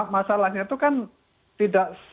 masalahnya itu kan tidak